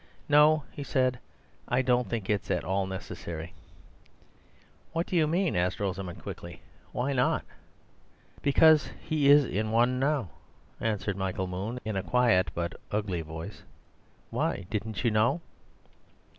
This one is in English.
"No," he said; "I don't think it's at all necessary." "What do you mean?" asked Rosamund quickly. "Why not?" "Because he is in one now," answered Michael Moon, in a quiet but ugly voice. "Why, didn't you know?"